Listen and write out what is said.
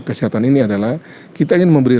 kesehatan ini adalah kita ingin memberi